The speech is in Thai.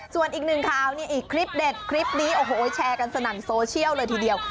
ส่วนอีกหนึ่งข่าวนี่อีกคลิปเด็ดคลิปนี้โอ้โหแชร์กันสนั่นโซเชียลเลยทีเดียว